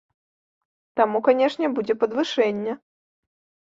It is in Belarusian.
Таму, канешне, будзе падвышэнне.